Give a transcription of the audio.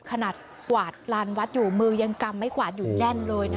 ขนาดกวาดลานวัดอยู่มือยังกำไม้กวาดอยู่แน่นเลยนะ